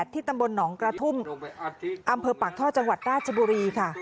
ที่ตำบลหนองกระทุ่มอำเภอปากท่อจังหวัดราชบุรีค่ะ